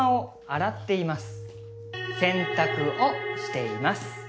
「洗濯をしています」